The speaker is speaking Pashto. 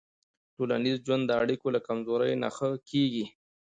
ټولنیز ژوند د اړیکو له کمزورۍ نه ښه کېږي.